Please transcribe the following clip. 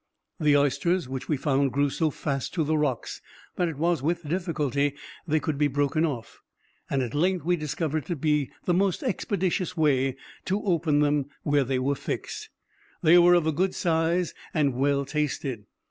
The oysters which we found grew so fast to the rocks, that it was with difficulty they could be broken off, and at length we discovered it to be the most expeditious way to open them where they were fixed. They were of a good size, and well tasted.